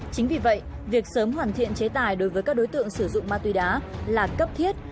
chính vì vậy việc sớm hoàn thiện chế tài đối với các đối tượng sử dụng ma túy đá là cấp thiết